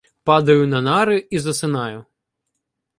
Падаю на нари і засинаю.